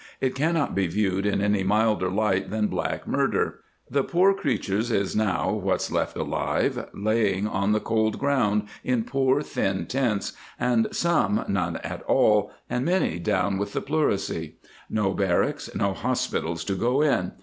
It cannot be viewed in any milder light than black murder. The poor creatures is now (what's left alive) laying on the cold ground, in poor thin tents, and some none at all, and many down with the pleurisy. No barracks, no hos pitals to go in.